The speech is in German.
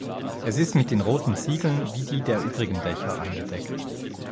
Es ist mit den roten Ziegeln wie die der übrigen Dächer eingedeckt.